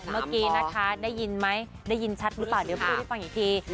เมื่อกี้นะคะได้ยินไหมได้ยินชัดหรือเปล่าเดี๋ยวพูดให้ฟังอีกที